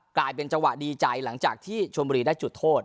กลายเป็นจังหวะดีใจหลังจากที่ชมบุรีได้จุดโทษ